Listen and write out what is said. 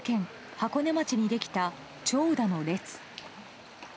箱根町にできた長蛇の列。